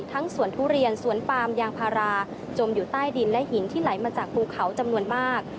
สวนทุเรียนสวนปามยางพาราจมอยู่ใต้ดินและหินที่ไหลมาจากภูเขาจำนวนมาก